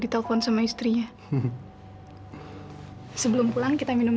tapi itu sengaja